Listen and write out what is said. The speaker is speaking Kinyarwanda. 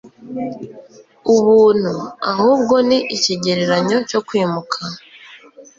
ubuntu, ahubwo ni ikigereranyo cyo kwimuka